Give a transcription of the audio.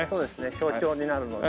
象徴になるのを。